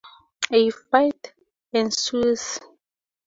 A fight ensues.